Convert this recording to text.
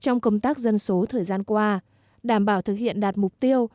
trong công tác dân số thời gian qua đảm bảo thực hiện đạt mục tiêu